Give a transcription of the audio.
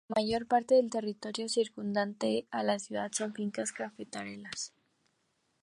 La mayor parte del territorio circundante a la ciudad son fincas cafetaleras.